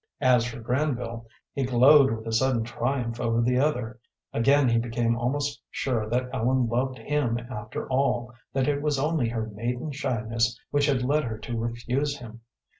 As for Granville, he glowed with a sudden triumph over the other. Again he became almost sure that Ellen loved him after all, that it was only her maiden shyness which had led her to refuse him.